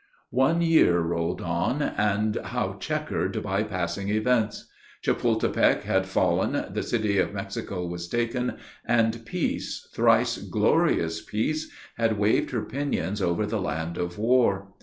One year rolled on, and how chequered by passing events! Chapultepec had fallen, the city of Mexico was taken, and peace, thrice glorious peace, had waved her pinions over the land of war.